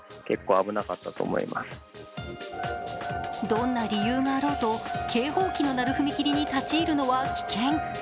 どんな理由があろうと警報機の鳴る踏切に立ち入るのは危険。